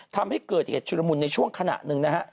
ทำให้เกิดเหตุชุลมุนในช่วงขณะหนึ่งนะฮะ